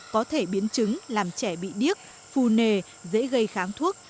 có thể biến chứng làm trẻ bị điếc phù nề dễ gây kháng thuốc